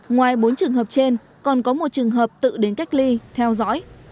ngoài bốn trường hợp trên còn có một trường hợp tự đến cách ly theo dõi